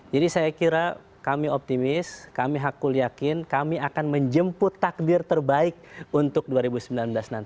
jadi saya kira kami optimis kami hakul yakin kami akan menjemput takdir terbaik untuk dua ribu sembilan belas nanti